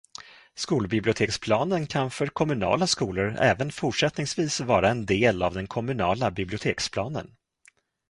Skolbiblioteksplanen kan för kommunala skolor även fortsättningsvis vara en del av den kommunala biblioteksplanen.